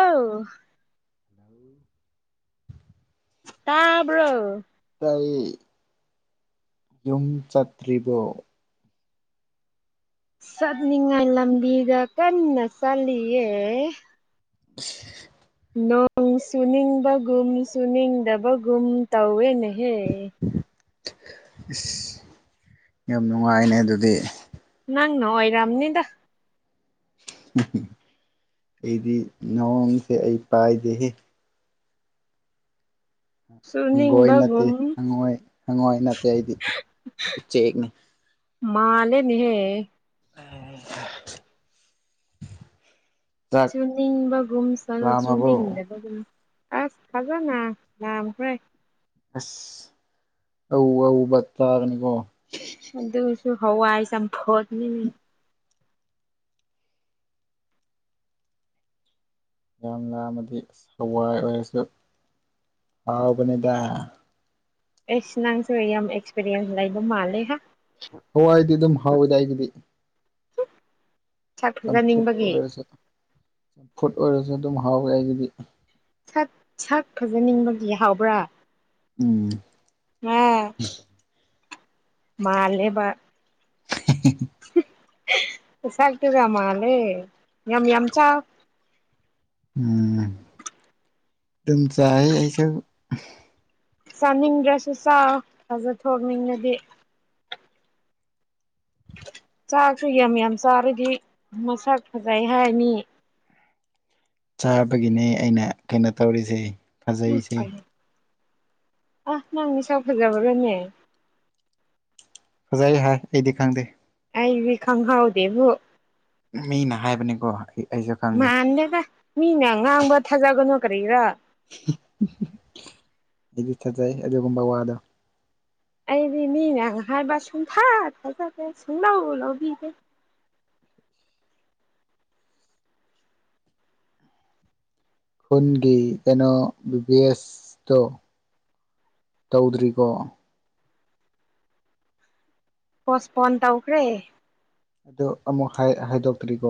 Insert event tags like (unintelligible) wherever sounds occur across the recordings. ꯑꯥꯎ (unintelligible) ꯇꯥꯕ꯭ꯔꯣ ꯇꯥꯏꯌꯦ ꯌꯨꯝ ꯆꯠꯇ꯭ꯔꯤꯕꯣ ꯆꯠꯅꯤꯡꯉꯥꯏ ꯂꯝꯕꯤꯗ ꯀꯟꯅ ꯆꯠꯂꯤꯌꯦ (inaudible) ꯅꯣꯡ ꯆꯨꯅꯤꯡꯕꯒꯨꯝ ꯆꯨꯅꯤꯡꯗꯕꯒꯨꯝ ꯇꯧꯋꯦ ꯅꯦꯍꯦ ꯏꯁ ꯌꯥꯝ ꯅꯨꯡꯉꯥꯏꯅꯦ ꯑꯗꯨꯗꯤ ꯅꯪꯅ ꯑꯣꯔꯝꯅꯤꯗ (unintelligible) ꯑꯩꯗꯤ ꯅꯣꯡꯁꯦ ꯑꯩ ꯄꯥꯏꯗꯦꯍꯦ ꯍꯪꯒꯣꯏ ꯅꯠꯇꯦ ꯆꯨꯅꯤꯡꯕꯒꯨꯝ ꯍꯪꯉꯣꯏ ꯍꯪꯉꯣꯏ ꯅꯠꯇꯦ ꯑꯩꯗꯤ ꯎꯆꯦꯛꯅꯤ ꯃꯥꯟꯂꯦꯅꯦ ꯍꯦ (unintelligible) ꯆꯥꯛ ꯆꯨꯅꯤꯡꯕꯒꯨꯝ ꯁ ꯂꯥꯝꯃꯕꯣ ꯆꯨꯅꯤꯡꯗꯕꯒꯨꯝ ꯑꯁ ꯐꯖꯅ ꯌꯥꯝꯈ꯭ꯔꯦ ꯑꯁ ꯑꯋꯨ ꯑꯋꯨꯕ ꯆꯥꯒꯅꯤꯀꯣ ꯑꯗꯨꯁꯨ ꯍꯋꯥꯏ ꯆꯝꯐꯨꯠꯅꯤꯅꯦ ꯌꯥꯝ ꯂꯝꯃꯥꯗꯤ ꯑꯁ ꯍꯋꯥꯏ ꯑꯣꯏꯔꯁꯨ ꯍꯥꯎꯕꯅꯤꯗ ꯑꯦꯁ ꯅꯪꯁꯨ ꯌꯥꯝ ꯑꯦꯛꯁꯄꯤꯔꯤꯌꯦꯟꯁ ꯂꯩꯕ ꯃꯥꯟꯂꯦ ꯍꯥ ꯍꯋꯥꯏꯗꯤ ꯑꯗꯨꯝ ꯍꯥꯎꯋꯤꯗ ꯑꯩꯒꯤꯗꯤ ꯁꯛ ꯆꯝꯐꯨꯠ ꯐꯖꯅꯤꯡꯕꯒꯤ ꯑꯣꯏꯔꯁꯨ ꯆꯝꯐꯨꯠ ꯑꯣꯏꯔꯁꯨ ꯑꯗꯨꯝ ꯍꯥꯎꯋꯦ ꯑꯩꯒꯤꯗꯤ ꯁꯛ ꯁꯛ ꯐꯖꯅꯤꯡꯕꯒꯤ ꯍꯥꯎꯕ꯭ꯔꯥ ꯎꯝ (unintelligible) ꯃꯥꯟꯂꯦꯕ (unintelligible) ꯃꯁꯥꯛ ꯇꯨꯒ ꯃꯥꯟꯂꯦ ꯌꯥꯝ ꯌꯥꯝ ꯆꯥꯎ꯫ ꯎꯝ ꯑꯗꯨꯝ ꯆꯥꯏ ꯑꯩꯁꯨ ꯫ ꯆꯥꯅꯤꯡꯗ꯭ꯔꯁꯨ ꯆꯥꯎ ꯐꯖ ꯊꯣꯛꯅꯤꯡꯉꯗꯤ꯫ ꯆꯥꯛꯁꯨ ꯌꯥꯝ ꯌꯥꯝ ꯆꯥꯔꯗꯤ ꯃꯁꯛ ꯐꯖꯩ ꯍꯥꯏꯔꯅꯤ꯫ ꯆꯥꯕꯒꯤꯅꯦ ꯑꯩꯅ ꯀꯩꯅꯣ ꯇꯧꯔꯤꯁꯦ꯫ ꯎꯝ ꯐꯖꯩꯁꯦ ꯑ ꯅꯪ ꯃꯁꯥꯛ ꯐꯖꯕꯔꯅꯦ꯫ ꯐꯖꯩ ꯍꯥꯏ ꯑꯩꯗꯤ ꯈꯪꯗꯦ꯫ ꯑꯩꯗꯤ ꯈꯪꯍꯥꯎꯗꯦꯕꯨ꯫ ꯃꯤꯅ ꯍꯥꯏꯕꯅꯤꯀꯣ꯫ ꯑꯩꯁꯨ ꯈꯪꯗꯦ ꯃꯥꯟꯗꯅ ꯃꯤꯅ ꯉꯥꯡꯕ ꯊꯥꯖꯒꯅꯨ ꯀꯔꯤꯔꯥ ꯑꯩꯗꯤ ꯊꯥꯖꯩ ꯑꯗꯨꯒꯨꯝꯕ ꯋꯥꯗꯣ꯫ ꯑꯩꯗꯤ ꯃꯤꯅ ꯍꯥꯏꯕ ꯁꯨꯡꯊ ꯊꯖꯗꯦ ꯁꯨꯡꯂꯧ ꯂꯥꯎꯕꯤꯗꯦ꯫ ꯈꯨꯟꯒꯤ ꯀꯩꯅꯣ ꯕꯤꯕꯤ ꯑꯦꯁꯇꯣ ꯇꯧꯗ꯭ꯔꯤꯀꯣ? ꯄꯣꯁꯄꯣꯟ ꯇꯧꯈ꯭ꯔꯦ꯫ ꯑꯗꯨ ꯑꯃꯨꯛ ꯍꯥꯏꯗꯣꯛꯇ꯭ꯔꯤꯀꯣ꯫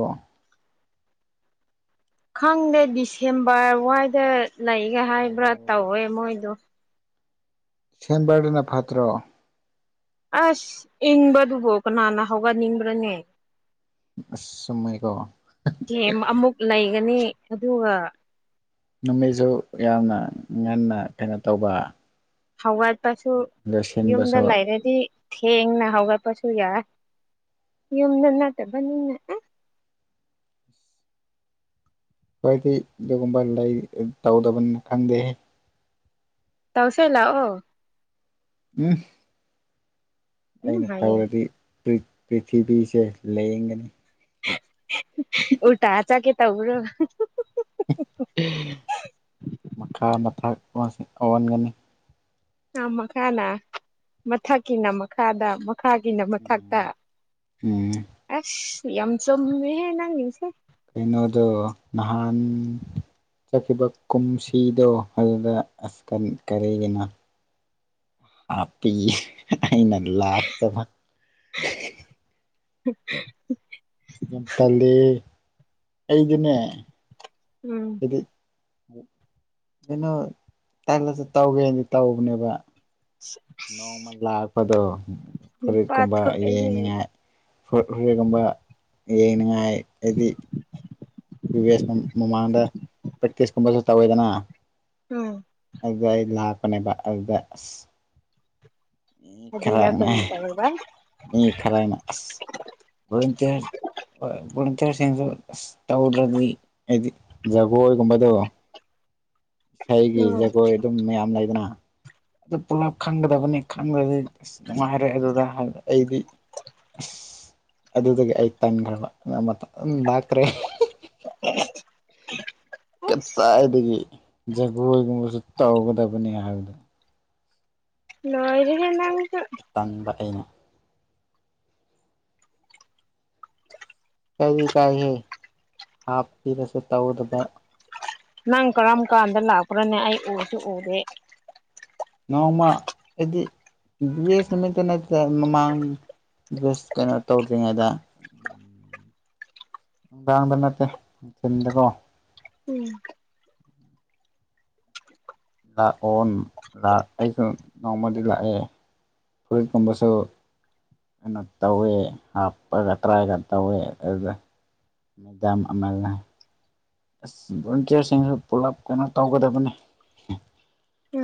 ꯈꯪꯗꯦ ꯗꯤꯁꯦꯝꯕꯔ ꯋꯥꯏꯗ ꯂꯩꯒ ꯍꯥꯏꯕ꯭ꯔꯥ ꯑꯣ ꯇꯧꯋꯦ ꯃꯣꯏꯗꯣ꯫ ꯁꯦꯝꯕꯥꯔꯗꯅ ꯐꯥꯠꯇ꯭ꯔ? ꯑꯁ ꯏꯪꯕꯗꯨꯕꯨ ꯀꯅꯥꯅ ꯍꯧꯒꯠꯅꯤꯡꯕ꯭ꯔꯅꯦ꯫ ꯑꯁ ꯁꯨꯃꯥꯏ ꯇꯧꯔꯣ꯫ ꯀꯦꯝ ꯑꯃꯨꯛ ꯂꯩꯒꯅꯤ ꯑꯗꯨꯒ꯫ ꯅꯨꯃꯤꯠꯁꯨ ꯌꯥꯝꯅ ꯉꯟꯅ ꯀꯩꯅꯣ ꯇꯧꯕ ꯍꯧꯋꯥꯠꯄꯁꯨ ꯌꯨꯝꯗ ꯂꯣꯏꯁꯤꯟꯕꯁꯨ ꯂꯩꯔꯗꯤ ꯊꯦꯡꯅ ꯍꯒ ꯄꯁꯨ ꯌꯥ ꯌꯨꯝꯗ ꯅꯠꯇꯕꯅꯤꯅ ꯈꯋꯥꯗꯤꯀꯩ ꯎꯄꯥꯏ ꯂꯩ ꯇꯧꯗꯕꯅ ꯈꯪꯗꯦ ꯇꯧꯁꯦ ꯂꯥꯛꯑꯣ ꯎꯝ ꯎꯝ ꯑꯩꯅ ꯍꯥꯏꯌꯦ ꯇꯧꯔꯗꯤ ꯄ꯭ꯔꯤꯊꯤꯕꯤꯁꯦ ꯂꯌꯦꯡꯒꯅꯤ ꯎ ꯇꯥ ꯆꯀꯦ ꯇꯧꯕ꯭ꯔꯣ ꯃꯈꯥ ꯃꯊꯛ ꯑꯟꯒꯅꯤ ꯃꯈꯥꯅ ꯃꯊꯛꯀꯤꯅ ꯃꯈꯥꯗ ꯈꯥꯒꯤꯅ ꯃꯊꯛꯇ ꯎꯝ ꯎꯝ ꯑꯁ ꯌꯥꯝ ꯆꯨꯝꯃꯦꯍꯦ ꯅꯪ ꯒꯤꯁꯦ ꯀꯩꯅꯣꯗ ꯅꯍꯥꯟ ꯆꯠꯈꯤꯕ ꯀꯨꯝꯁꯤꯗꯣ ꯑꯗꯨꯗ ꯑꯁ ꯀꯔꯤ ꯀꯔꯤꯒꯤꯅꯣ ꯍꯥꯄꯤ ꯑꯩꯅ ꯂꯥꯛꯇꯅ (unintelligible) ꯇꯜꯂꯤ ꯑꯩꯗꯤꯅꯦ ꯎꯝ ꯑꯗꯨꯗꯤ ꯀꯩꯅꯣ ꯇꯥꯛꯂꯛꯇ ꯇꯧꯒꯦꯅꯗꯤ ꯇꯧꯕꯅꯦꯕ ꯅꯣꯡꯃ ꯂꯥꯛꯄꯗꯣ ꯅꯨꯄꯥ ꯐꯨꯔꯤꯠꯀꯨꯝꯕ ꯊꯣꯛꯑꯦꯍꯦ ꯌꯦꯡꯅꯤꯡꯉꯥꯏ ꯍꯣꯔꯦꯟꯒꯨꯝꯕ ꯌꯦꯡꯅꯤꯡꯉꯥꯏ ꯍꯥꯏꯗꯤ ꯑꯦꯁ ꯃꯃꯥꯡꯗ ꯄ꯭ꯔꯦꯛꯇꯤꯁꯀꯨꯝꯕꯁꯨ ꯇꯧꯔꯦꯗꯅ ꯎꯝ ꯑꯗꯨꯗ ꯑꯩ ꯂꯥꯛꯄꯅꯦꯕ ꯑꯗꯨꯗ ꯑꯁ ꯑꯗꯨꯗ ꯈꯔꯛꯅꯦ ꯀꯔꯤ ꯇꯧꯔꯕ ꯃꯤ ꯈꯔꯥꯅ ꯑꯁ ꯕꯣꯂꯨꯟꯇꯤꯌ ꯍꯣꯏ ꯕꯣꯂꯨꯟꯇꯤꯌꯔꯁꯤꯡꯁꯨ ꯑꯁ ꯇꯧꯗ꯭ꯔꯗꯤ ꯍꯥꯏꯗꯤ ꯖꯒꯣꯏꯒꯨꯝꯕꯗꯣ ꯏꯁꯩꯒꯤ ꯎꯝ ꯖꯒꯣꯏ ꯑꯗꯨꯝ ꯃꯌꯥꯝ ꯂꯩꯗꯅ ꯑꯗꯨ ꯄꯨꯂꯞ ꯈꯪꯒꯗꯕꯅꯤ ꯈꯪꯗ꯭ꯔꯗꯤ ꯑꯁ ꯅꯨꯡꯉꯥꯏꯔꯦ ꯑꯗꯨꯗ ꯍꯥꯏ ꯑꯩꯗꯤ ꯑꯁ ꯑꯗꯨꯗꯒꯤ ꯑꯩ ꯇꯟꯈ꯭ꯔꯕ (unintelligible) ꯂꯥꯛꯇ꯭ꯔꯦ (unintelligible) ꯀꯗꯥꯏꯗꯒꯤ ꯖꯒꯣꯏꯒꯨꯝꯕꯁꯨ ꯇꯧꯒꯗꯕꯅꯤ ꯍꯥꯏꯕꯅꯤ ꯂꯣꯏꯔꯦꯍꯦ ꯅꯪꯁꯨ ꯇꯟꯕ ꯑꯩꯅ ꯀꯩꯗꯤ ꯀꯥꯏ ꯍꯦ ꯍꯥꯞ ꯄꯔꯁꯨ ꯇꯧꯗ ꯅꯪ ꯀꯔꯝ ꯀꯥꯟꯗ ꯂꯥꯛꯄ꯭ꯔꯅꯦ ꯑꯩ ꯎꯁꯨ ꯎꯔꯦ ꯅꯣꯡꯃ ꯍꯥꯏꯗꯤ ꯕꯤꯌꯦꯁ ꯅꯨꯃꯤꯠꯇ ꯅꯠꯇ ꯃꯃꯥꯡ ꯖꯁ ꯀꯩꯅꯣ ꯇꯧꯗ꯭ꯔꯤꯉꯩꯗ ꯅꯨꯡꯗꯥꯡꯗ ꯅꯠꯇꯦ ꯅꯨꯡꯊꯤꯟꯗꯀꯣ ꯎꯝ ꯂꯥꯛꯑꯣ ꯑꯝ ꯂꯛ ꯑꯩꯁꯨ ꯅꯣꯡꯃꯗꯤ ꯂꯥꯛꯑꯦ ꯐꯨꯔꯤꯠ ꯀꯨꯝꯕꯁꯨ ꯀꯩꯅꯣ ꯇꯧꯋꯦ ꯍꯥꯞꯄꯒ ꯇ꯭ꯔꯥꯏꯒ ꯇꯧꯋꯦ ꯑꯗꯨꯗ ꯃꯦꯗꯥꯝ ꯑꯃꯜꯅ ꯑꯁ ꯚꯣꯂꯟꯇꯤꯌꯔꯁꯤꯡꯁꯨ ꯄꯨꯂꯞ ꯀꯩꯅꯣ ꯇꯧꯒꯗꯕꯅꯤ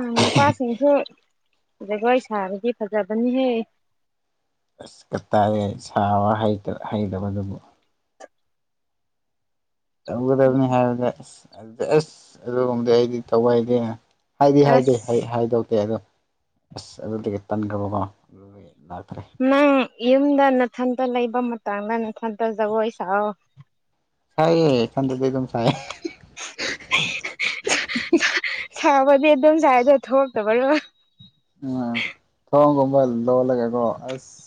ꯑꯪ ꯅꯨꯄꯥꯁꯤꯡꯁꯨ ꯖꯒꯣꯏ ꯁꯥꯕꯗꯤ ꯐꯖꯕꯅꯤꯍꯦ ꯑꯁ ꯀꯥꯇꯏꯔꯦ ꯁꯥꯕ ꯍꯩꯇꯦ ꯍꯩꯇꯕꯗꯨꯕꯨ ꯇꯧꯒꯗꯕꯅꯤ ꯍꯥꯏꯕꯗ ꯑꯁ ꯑꯗꯨꯗꯤ ꯑꯁ ꯑꯗꯨꯒꯨꯝꯕꯗꯤ ꯑꯩꯗꯤ ꯇꯧꯑꯏꯗꯦ ꯍꯥꯏꯗꯤ ꯍꯥꯏꯗꯤ ꯍꯩ ꯑꯁ ꯍꯥꯏꯗꯧꯇꯦ ꯑꯗꯣ ꯑꯁ ꯑꯗꯨꯗꯒꯤ ꯇꯟꯈ꯭ꯔꯕꯀꯣ ꯑꯗꯨꯗꯤ ꯂꯥꯛꯇ꯭ꯔꯦ ꯅꯪ ꯌꯨꯝꯗ ꯅꯥꯊꯟꯇ ꯂꯩꯕ ꯃꯇꯥꯡꯗ ꯅꯊꯟꯇ ꯖꯒꯣꯏ ꯁꯥꯥꯎ ꯁꯥꯏꯌꯦ ꯏꯟꯗꯗꯤ ꯑꯗꯨꯝ ꯁꯥꯏ (unintelligible) ꯁꯥꯕꯗꯤ ꯑꯗꯨꯝ ꯁꯥꯏꯗꯣ ꯊꯣꯛꯇꯕꯩꯔꯣ ꯎꯝ ꯊꯣꯡꯒꯨꯝꯕ ꯂꯣꯜꯂꯒꯦꯀꯣ ꯑꯁ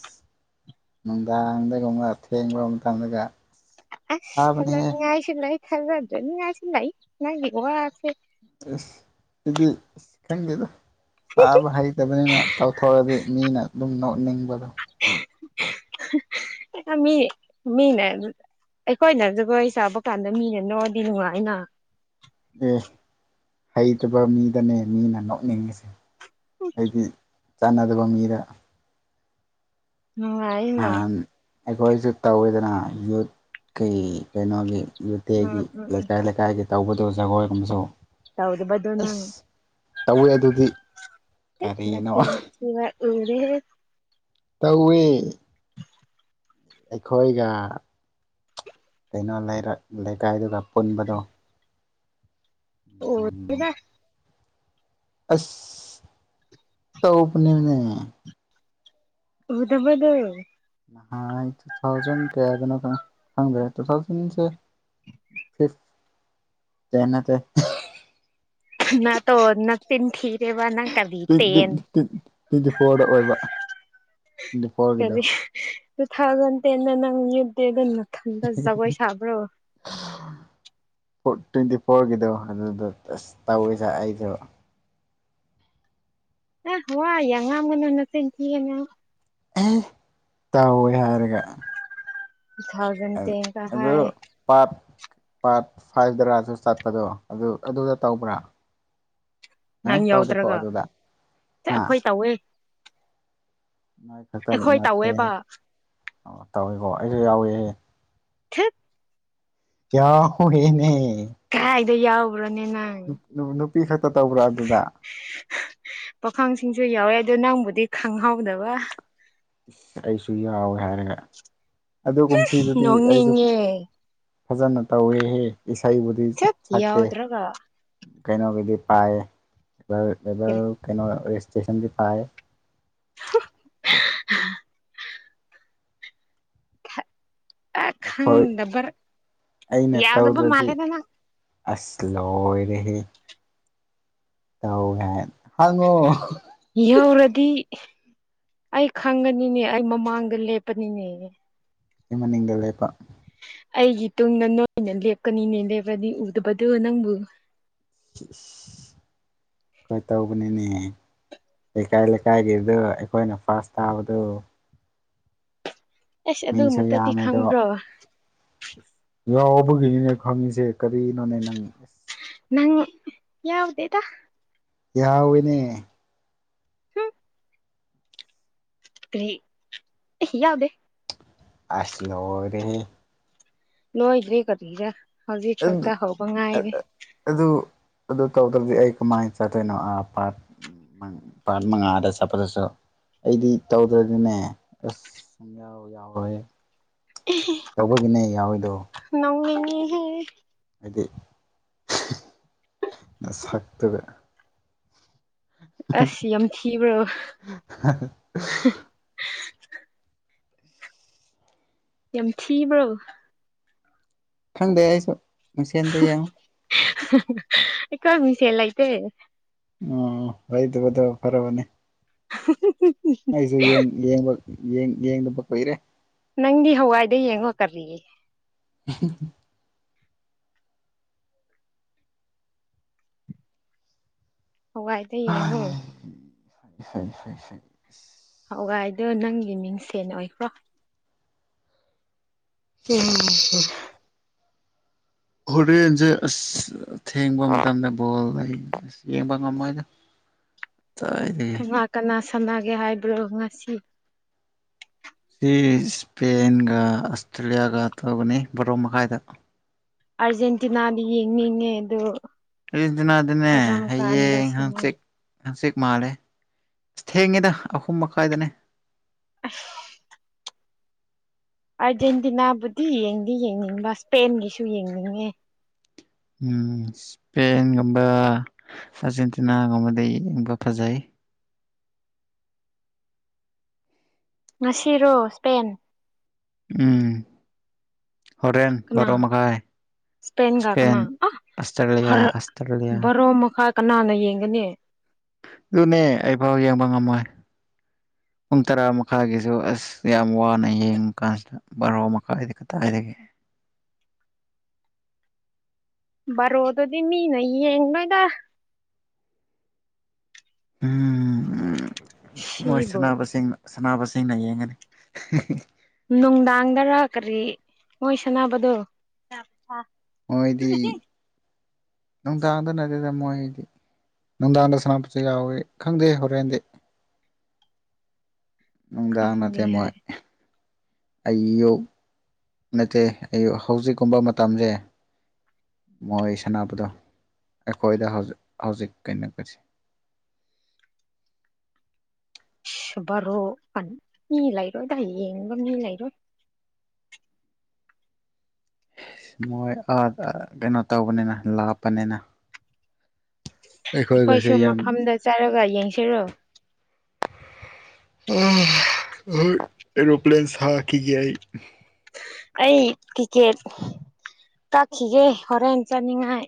ꯅꯨꯡꯗꯥꯡꯗꯒꯨꯝꯕ ꯊꯦꯡꯂꯕ ꯃꯇꯝꯗꯒ ꯑꯁ ꯁꯥꯕꯅꯦꯍꯦ ꯊꯖꯥꯅꯤꯉꯥꯏ ꯁꯨ ꯂꯩ ꯊꯖꯥꯗꯅꯤꯉꯥꯏ ꯁꯨ ꯂꯩ ꯅꯪꯒꯤ ꯋꯥꯁꯦ ꯑꯁ ꯑꯗꯨꯗꯤ ꯑꯁ ꯈꯪꯗꯦꯗ ꯇꯥꯕ ꯍꯩꯇꯕꯅꯤꯅ ꯇꯧꯊꯣꯔꯑꯗꯤ ꯃꯤꯅ ꯑꯗꯨꯝ ꯅꯣꯛꯅꯤꯡꯕꯗꯣ (unintelligible) ꯃꯤ ꯃꯤꯅ ꯑꯗꯨꯗ ꯑꯩꯈꯣꯏꯅ ꯖꯒꯣꯏ ꯆꯥꯕ ꯀꯥꯟꯗ ꯃꯤꯅ ꯅꯣꯗꯤ ꯅꯨꯡꯉꯥꯏꯅ ꯑꯦ ꯍꯩꯇꯕ ꯃꯤꯗꯅꯦ ꯃꯤꯅ ꯅꯣꯛꯅꯤꯡꯉꯤꯁꯦ ꯑꯩꯗꯤ ꯆꯥꯟꯅꯗꯕ ꯃꯤꯗ ꯅꯨꯡꯉꯥꯏ ꯅꯍꯥꯟ ꯑꯩꯈꯣꯏꯁꯨ ꯇꯧꯋꯤꯗꯅ ꯌꯨꯠꯀꯤ ꯀꯩꯅꯣꯒꯤ ꯌꯨꯇꯦꯒꯤ ꯎꯝ ꯎꯝ ꯂꯩꯀꯥꯏ ꯂꯩꯀꯥꯏꯒꯤ ꯇꯧꯕꯗꯕꯨ ꯖꯒꯣꯏ ꯑꯃꯁꯨ ꯇꯧꯗꯕꯗꯣ ꯅꯪ ꯑꯁ ꯇꯧꯋꯦ ꯑꯗꯨꯗꯤ ꯀꯔꯤꯅꯣ (unintelligible) ꯎꯔꯦꯍꯦ ꯇꯧꯋꯦ ꯑꯩꯈꯣꯏꯒ ꯀꯩꯅꯣ ꯂꯩꯔꯛ ꯂꯩꯀꯥꯏꯗꯨꯒ ꯄꯨꯟꯕꯗꯣ ꯊꯣꯛꯂꯛ ꯎꯝ ꯇꯤꯍꯦ ꯑꯁ ꯇꯧꯄꯅꯤꯅꯦ ꯂꯨꯗꯕꯅꯦ ꯍꯥꯟ ꯇꯨ ꯊꯥꯎꯖꯟ ꯀꯌꯥꯗꯅꯣ ꯈꯪ ꯈꯪꯗ꯭ꯔꯦ ꯇꯨ ꯊꯥꯎꯖꯟꯁꯦ ꯐꯤꯐ ꯇꯦ ꯅꯠꯇꯦ ꯅꯇꯣ ꯅꯆꯤꯟ ꯊꯤꯔꯦꯕ ꯅꯪ ꯀꯔꯤ ꯄꯤꯛ ꯗꯤꯛ ꯇꯦꯟ ꯇꯤꯛ ꯇ꯭ꯋꯦꯟꯇꯤ ꯐꯣꯔꯗ ꯑꯣꯏꯕ ꯇ꯭ꯋꯦꯟꯇꯤ ꯐꯣꯔꯒꯤꯗꯣ ꯀꯔꯤ ꯇꯨ ꯊꯥꯎꯖꯟ ꯇꯦꯟꯗ ꯅꯪ ꯅ꯭ꯌꯨꯠ ꯗꯦꯗ ꯅꯊꯟꯗ ꯖꯒꯣꯏ ꯁꯥꯕ꯭ꯔꯣ ꯐꯣꯔꯠ ꯇ꯭ꯋꯦꯟꯇꯤ ꯐꯣꯔꯒꯤꯗꯣ ꯑꯗꯨꯗ ꯑꯁ ꯇꯧꯋꯦꯗ ꯑꯩꯗꯣ ꯑ ꯋꯥ ꯌꯥꯝ ꯉꯥꯡꯕ ꯅꯪ ꯅꯆꯤꯟ ꯊꯤꯒꯅꯨ ꯑꯦ ꯇꯧꯋꯦ ꯍꯥꯏꯔꯒ ꯇꯨ ꯊꯥꯎꯖꯟ ꯇꯦꯟ ꯀ ꯑꯗꯨ ꯍꯥꯏ ꯄꯥꯔꯠ ꯄꯥꯔꯠ ꯐꯥꯏꯚ ꯗꯔꯥꯁꯨ ꯆꯠꯄꯗꯣ ꯑꯗꯨ ꯑꯗꯨꯗ ꯇꯧꯕ꯭ꯔꯥ ꯑꯦ ꯅꯪ ꯇꯧꯗꯦꯀꯣ ꯌꯥꯎꯗ꯭ꯔꯒ ꯑꯗꯨꯗ ꯑꯦ ꯍꯥ ꯑꯈꯣꯏ ꯇꯧꯋꯦ ꯃꯥꯏ ꯈꯇꯟ ꯑꯩꯈꯣꯏ ꯅꯠꯇꯦꯍꯦ ꯇꯧꯋꯦꯕ ꯑꯣ ꯇꯧꯋꯦꯀꯣ ꯑꯩꯖꯨ ꯌꯥꯎꯋꯦꯍꯦ ꯊꯠ ꯌꯥ ꯍ꯭ꯋꯦꯅꯦ ꯀꯥꯏꯗꯩꯩ ꯌꯥꯎꯕ꯭ꯔꯣꯅꯦ ꯅꯪ ꯅꯨ ꯅꯨꯄꯤ ꯈꯇ ꯇꯧꯕ꯭ꯔꯥ ꯑꯗꯨꯗ ꯄꯥꯈꯪꯁꯤꯡꯁꯨ ꯌꯥꯎꯋꯦ ꯑꯗꯣ ꯅꯪꯕꯨꯗꯤ ꯈꯪꯍꯧꯗꯕ ꯑꯩꯁꯨ ꯌꯥꯎꯋꯦ ꯍꯥꯏꯔꯒ ꯑꯗꯨ ꯀꯨꯝꯁꯤꯗꯨꯗꯤ ꯑꯩꯁꯨ ꯅꯣꯛꯅꯤꯡꯉꯦ ꯐꯖꯅ ꯇꯧꯋꯦꯍꯦ ꯏꯁꯩꯕꯨꯗꯤ ꯁꯠ ꯁꯛꯇꯦ ꯌꯥꯎꯗ꯭ꯔꯒ ꯀꯩꯅꯣꯒꯤꯗꯤ ꯄꯥꯏ ꯀꯔꯤ (unintelligible) ꯀꯩꯅꯣ ꯔꯦꯁꯇꯦꯁꯟꯒꯤ ꯄꯥꯏ (unintelligible) ꯍꯣꯏ ꯈꯪꯗꯕ ꯑꯩꯅ ꯌꯥꯎꯗꯕ ꯇꯧꯗ꯭ꯔꯗꯤ ꯃꯥꯜꯂꯦꯗ ꯅꯪ ꯑꯁ ꯂꯣꯏꯔꯦꯍꯦ ꯇꯧꯏ ꯍꯥꯏꯟ ꯍꯉꯣ ꯌꯧꯔꯗꯤ ꯑꯩ ꯈꯪꯒꯅꯤꯅꯦ ꯑꯩ ꯃꯃꯥꯡꯗ ꯂꯦꯞꯄꯅꯤꯅꯦ ꯑꯩ ꯃꯅꯤꯡꯗ ꯂꯩꯄ ꯑꯩꯒꯤ ꯇꯨꯡꯗ ꯅꯣꯏꯅ ꯂꯦꯞꯀꯅꯤꯅꯦ ꯂꯦꯞꯔꯗꯤ ꯎꯗꯕꯗꯨ ꯅꯪꯕꯨ ꯍꯣꯏ ꯇꯧꯕꯅꯦꯃꯤ ꯂꯩꯀꯥꯏ ꯂꯩꯀꯥꯏꯒꯤꯗꯨ ꯑꯩꯈꯣꯏꯅ ꯐꯥꯁ ꯇꯥꯕꯗꯨ ꯑꯁ ꯃꯤꯁꯨ ꯑꯗꯨꯃꯛꯇꯗꯤ ꯌꯥꯝꯃꯦꯗꯣ ꯈꯪꯕ꯭ꯔꯣ ꯌꯥꯎꯕꯒꯤꯅꯤꯅꯦ ꯈꯪꯉꯤꯁꯦ ꯀꯔꯤꯅꯣꯅꯦ ꯅꯪ ꯅꯪ ꯌꯥꯎꯗꯦꯗ ꯌꯥꯎꯏ ꯅꯦ ꯍꯝ ꯀ꯭ꯔꯤ ꯏ ꯌꯥꯎꯗꯦ ꯑꯁ ꯂꯣꯔꯦꯍꯦ ꯂꯣꯏꯗ꯭ꯔꯤ ꯀꯔꯤꯔꯥ (unintelligible) ꯑꯗꯨ ꯑꯗꯨ ꯇꯧꯗ꯭ꯔꯗꯤ ꯑꯩ ꯀꯃꯥꯏꯟ ꯆꯠꯇꯣꯏꯅꯣ ꯑ ꯄꯥꯠ ꯄꯥꯔꯠ ꯃꯉꯥꯗ ꯆꯠꯄꯗꯁꯨ ꯑꯩꯗꯤ ꯇꯧꯗ꯭ꯔꯗꯤꯅꯦ ꯑꯁ ꯌꯥꯎ ꯌꯥꯎꯔꯣꯏ ꯇꯧꯕꯒꯤꯅꯦ ꯌꯥꯎꯔꯤꯗꯣ ꯅꯣꯡꯅꯤꯡꯉꯦꯍꯦ ꯍꯥꯏꯗꯤ ꯅꯁꯛꯇꯨꯒ ꯑꯁ ꯌꯥꯝ ꯊꯤꯕ꯭ꯔꯣ ꯍꯥ ꯍꯥ ꯌꯥꯝ ꯊꯤꯕ꯭ꯔꯣ ꯈꯪꯗꯦ ꯑꯩꯁꯨ ꯅꯨꯡꯁꯦꯟꯗ ꯌꯦꯡꯉꯣ ꯑꯩꯈꯣꯏ ꯃꯤꯡꯁꯦꯜ ꯂꯩꯇꯦ ꯑꯣ ꯂꯩꯗꯕꯗꯣ ꯐꯔꯕꯅꯤ (inaudible) ꯑꯩꯖꯨ ꯌꯦꯡ ꯌꯦꯡꯕ ꯌꯦꯡ ꯌꯦꯡꯗꯕ ꯀꯨꯏꯔꯦ ꯅꯪꯗꯤ ꯍꯋꯥꯏꯗ ꯌꯦꯡꯉꯣ ꯀꯔꯤ (inaudible) ꯍꯋꯥꯏꯗ ꯌꯦꯡꯉꯣ (unintelligible) ꯍꯋꯥꯏꯗꯣ ꯅꯪꯒꯤ ꯃꯤꯡꯁꯦꯟ ꯑꯣꯏꯈ꯭ꯔꯣ (inaudible) ꯍꯣꯔꯦꯟꯖꯦ ꯑꯁ ꯊꯦꯡꯕ ꯃꯇꯝꯗ ꯕꯣꯜ ꯂꯩ ꯑꯁ ꯌꯦꯡꯕ ꯉꯝꯃꯣꯏꯗ ꯆꯥꯏ ꯀꯅꯥ ꯀꯅꯥ ꯁꯥꯟꯅꯒꯦ ꯍꯥꯏꯕ꯭ꯔꯣ ꯉꯁꯤ ꯁꯤ ꯏꯁꯄꯦꯟꯒ ꯑꯁꯇ꯭ꯔꯦꯂꯤꯌꯥꯒ ꯇꯧꯒꯅꯤ ꯕꯥꯔꯣ ꯃꯈꯥꯏꯗ ꯑꯔꯖꯦꯟꯇꯤꯅꯥꯗꯤ ꯌꯦꯡꯅꯤꯡꯉꯦ ꯗꯨ ꯑꯔꯖꯦꯟꯇꯤꯅꯥꯗꯤꯅꯦ ꯍꯌꯦꯡ ꯁꯅ ꯍꯡꯆꯤꯛ ꯍꯪꯆꯤꯛ ꯃꯥꯜꯂꯦ ꯑꯁ ꯊꯦꯡꯉꯦꯗ ꯑꯍꯨꯝ ꯃꯈꯥꯏꯗꯅꯦ ꯑꯁ ꯑꯥꯔꯖꯦꯟꯇꯤꯅꯥꯕꯨꯗꯤ ꯌꯦꯡꯗꯤ ꯌꯦꯡꯅꯤꯡꯕ ꯏꯁꯄꯦꯟꯒꯤꯁꯨ ꯌꯦꯡꯅꯤꯡꯉꯦ ꯎꯝ ꯁ꯭ꯄꯦꯟꯒꯨꯝꯕ ꯑꯥꯔꯖꯦꯟꯇꯤꯅꯥꯒꯨꯝꯕꯗ ꯌꯦꯡꯕ ꯐꯖꯩ ꯉꯁꯤꯔꯣ ꯁ꯭ꯄꯦꯟ ꯎꯝ ꯍꯣꯔꯦꯟ ꯕꯔꯣ ꯃꯈꯥꯏ ꯁ꯭ꯄꯦꯟꯒ ꯏꯁꯄꯦꯟ ꯀꯅꯥ ꯑꯥ ꯑꯁꯇ꯭ꯔꯦꯂꯤꯌꯥ ꯍꯔ ꯑꯁꯇ꯭ꯔꯦꯂꯤꯌꯥ ꯕꯔꯣ ꯃꯈꯥ ꯀꯅꯥꯅ ꯌꯦꯡꯒꯅꯤ ꯗꯨꯅꯦ ꯑꯩꯐꯥꯎ ꯌꯦꯡꯕ ꯉꯝꯃꯣꯏ ꯄꯨꯡ ꯇꯔꯥ ꯃꯈꯥꯒꯤꯁꯨ ꯑꯁ ꯌꯥꯝ ꯋꯥꯅ ꯌꯦꯡ ꯀꯥꯟꯁꯤꯗ ꯕꯥꯔꯣ ꯃꯈꯥꯏꯗꯤ ꯀꯗꯥꯥꯏꯗꯒꯤ ꯕꯥꯔꯣꯗꯨꯗꯤ ꯃꯤꯅ ꯌꯦꯡꯔꯣꯏꯗꯥ ꯎꯝ ꯃꯣꯏ ꯁꯤꯕꯨ ꯁꯟꯅꯥꯕꯁꯤꯡꯅ ꯁꯅꯥꯕꯁꯤꯡꯅ ꯌꯦꯡꯒꯅꯤ ꯅꯨꯡꯗꯥꯡꯗꯔꯥ ꯀꯔꯤ ꯃꯣꯏ ꯁꯟꯅꯥꯕꯗꯣ ꯃꯣꯏꯗꯤ ꯅꯨꯡꯗꯥꯡꯗ ꯅꯠꯗꯦꯗ ꯃꯣꯏꯗꯤ ꯅꯨꯡꯗꯥꯡꯗ ꯁꯟꯅꯥꯕꯁꯨ ꯌꯥꯎꯌꯦ ꯈꯪꯗꯦꯍꯦ ꯍꯣꯔꯦꯟꯗꯤ ꯅꯨꯡꯗꯥꯡ ꯅꯠꯇꯦ ꯈꯪꯗꯦ ꯃꯣꯏ ꯍꯥꯏ ꯑꯩ ꯌꯣꯛ ꯅꯠꯇꯦ ꯑꯩꯌꯨꯛ ꯍꯧꯖꯤꯛꯀꯨꯝꯕ ꯃꯇꯝꯖꯦ ꯃꯣꯏ ꯁꯥꯟꯅꯕꯗꯣ ꯑꯩꯈꯣꯏꯗ ꯍꯧꯖꯤꯛ ꯍꯧꯖꯤꯛ ꯀꯩꯅꯀꯁꯤ ꯁꯨꯕꯔꯣ ꯑꯟ ꯃꯤ ꯂꯩꯥꯏꯔꯣꯏꯗ ꯌꯦꯡꯕ ꯃꯤ ꯂꯩꯔꯣꯏ ꯃꯣꯏ ꯑꯥ ꯑꯀꯩꯅꯣ ꯇꯧꯕꯅꯤꯅ ꯂꯥꯞꯄꯅꯤꯅ ꯑꯩꯈꯣꯏꯒꯁꯦ ꯑꯩꯈꯣꯏꯁꯨ ꯌꯥꯝ ꯃꯐꯝꯗ ꯆꯥꯔꯒ ꯌꯦꯡꯁꯤꯔꯣ ꯑꯥ ꯍꯣꯏ ꯑꯦꯔꯣꯄ꯭ꯂꯦꯟ ꯁꯈꯤꯒꯦ ꯑꯩ ꯑꯩ ꯇꯤꯀꯦꯠ ꯀꯥꯛꯈꯤꯒꯦ ꯍꯣꯔꯦꯟ ꯆꯠꯅꯤꯡꯉꯥꯏ